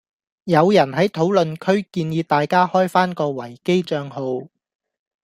有人喺討論區建議大家開返個維基帳號